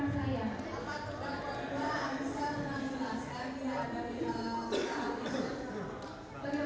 dan kota kota jepang ada di mokim